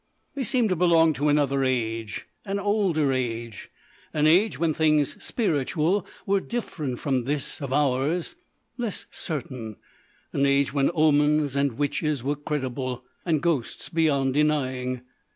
They seemed to belong to another age, an older age, an age when things spiritual were different from this of ours, less certain; an age when omens and witches were credible, and ghosts beyond denying.